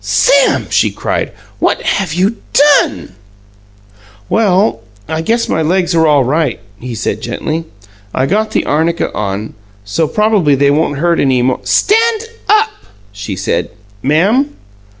"Sam," she cried, "what have you DONE?" "Well I guess my legs are all right," he said gently. "I got the arnica on, so probably they won't hurt any m " "Stand up!" she said. "Ma'am?"